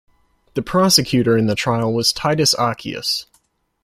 The prosecutor in the trial was Titus Accius.